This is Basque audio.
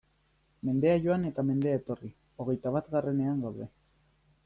Mendea joan eta mendea etorri, hogeita batgarrenean gaude!